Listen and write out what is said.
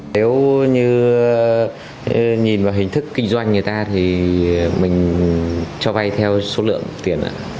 nếu như nhìn vào hình thức kinh doanh người ta thì mình cho vay theo số lượng tiền ạ